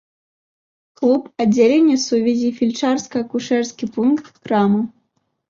Клуб, аддзяленне сувязі, фельчарска-акушэрскі пункт, крама.